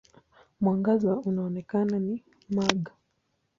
Mwangaza unaoonekana ni mag.